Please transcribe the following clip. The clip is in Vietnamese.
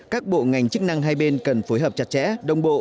các bộ ngành chức năng hai bên cần phối hợp chặt chẽ đồng bộ